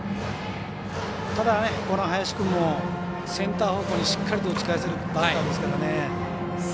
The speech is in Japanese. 林君もセンター方向にしっかりと打ち返せるバッターですからね。